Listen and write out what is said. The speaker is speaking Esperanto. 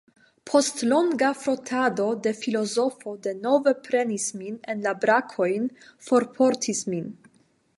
Post longa frotado la filozofo denove prenis min en la brakojn, forportis min.